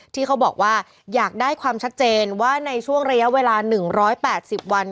ที่เขาบอกว่าอยากได้ความชัดเจนว่าในช่วงระยะเวลา๑๘๐วัน